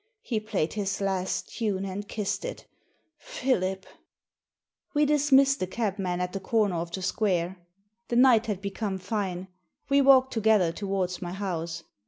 He played his last tune and kissed it — Philip 1 " We dismissed the cabman at the comer of the square. The night had become fine. We walked together towards my house.